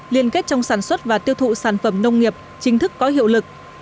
liên kết trong sản xuất và tiêu thụ sản phẩm nông nghiệp chính thức có hiệu lực